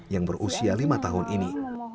yang berusia lima tahun ini